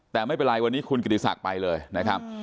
แต่ไม่เป็นไรวันนี้คุณกิติศักดิ์ไปเลยนะครับ